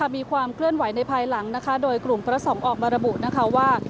มีความเคลื่อนไหวในภายหลังนะคะโดยกลุ่มพระสงฆ์ออกมาระบุนะคะว่า